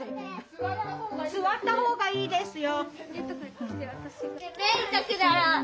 座ったほうがいいですよ。